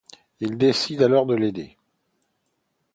Il décide alors de l'aider…